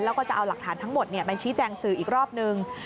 แล้วก็จะเอาหลักฐานทั้งหมดมาชี้แจงสื่ออีกรอบนึง